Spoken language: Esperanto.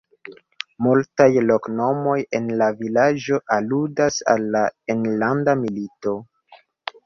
Multaj loknomoj en la vilaĝo aludas al la enlanda milito.